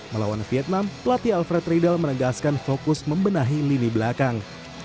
melawan vietnam pelatih alfred riedel menegaskan fokus membenahi lini belakang